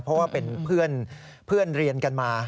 เพราะว่าเป็นเพื่อนเรียนกันมา